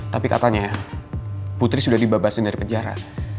tapi katanya ya putri sudah dibabasin dari penjara